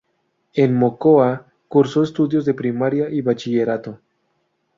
En Mocoa, cursó estudios de primaria y bachillerato.